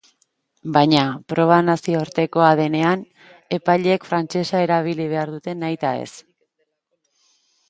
Baina, proba nazioartekoa denean, epaileek frantsesa erabili behar dute nahitaez.